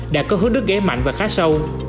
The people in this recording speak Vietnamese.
đã có hướng đứt ghé mạnh và khá sâu